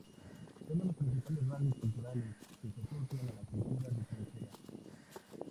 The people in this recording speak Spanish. Son dos los principales rasgos culturales que se asocian a la cultura de Trincheras.